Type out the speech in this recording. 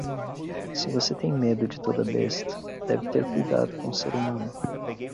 Se você tem medo de toda besta, deve ter cuidado com o ser humano.